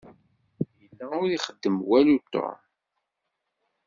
Yella ur ixeddem walu Tom.